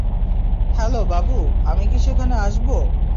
Hello, বাবু, আমি কি সেখানে আসব?